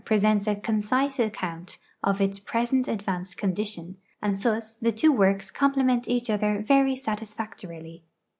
sents a concise acciumt of its present advanced condition, and thus the two works comi)lement each other very satisfactorily.